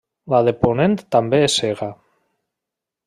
La de ponent també és cega.